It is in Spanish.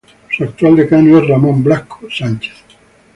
Su actual Decano es Ramón Blasco Sánchez.